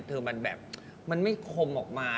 คือมันแบบมันไม่คมออกมา